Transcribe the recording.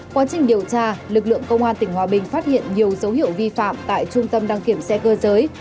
quá trình điều tra lực lượng công an tỉnh hòa bình phát hiện nhiều dấu hiệu vi phạm tại trung tâm đăng kiểm xe cơ giới hai nghìn tám trăm linh một s